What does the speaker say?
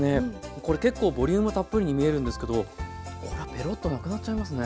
これ結構ボリュームたっぷりに見えるんですけどこれはペロッとなくなっちゃいますね。